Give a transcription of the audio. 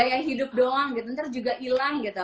gaya hidup doang gitu nanti juga hilang gitu